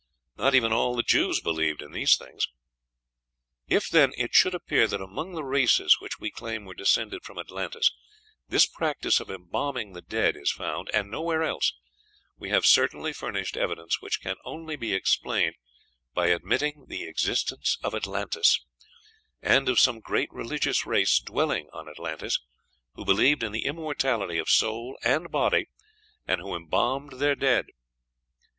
Not even all the Jews believed in these things. If, then, it should appear that among the races which we claim were descended from Atlantis this practice of embalming the dead is found, and nowhere else, we have certainly furnished evidence which can only be explained by admitting the existence of Atlantis, and of some great religious race dwelling on Atlantis, who believed in the immortality of soul and body, and who embalmed their dead.